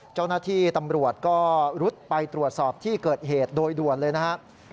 เจ้าหน้าที่ตำรวจก็รุดไปตรวจสอบที่เกิดเหตุโดยด่วนเลยนะครับ